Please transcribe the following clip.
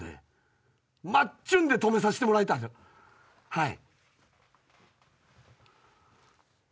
はい。